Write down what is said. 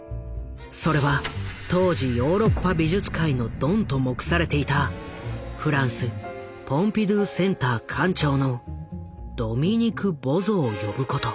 それは当時ヨーロッパ美術界のドンと目されていたフランスポンピドゥセンター館長のドミニク・ボゾを呼ぶこと。